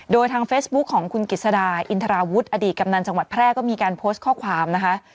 โดยทางเฟซบุ๊คของคุณกิจสดาอินทราวุฒิอดีตกำนันจังหวัดแพร่ก็มีการโพสต์ข้อความนะคะ